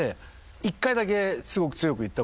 １回だけすごく強く言ったことが。